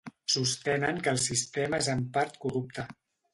Sostenen que el sistema és en part corrupte.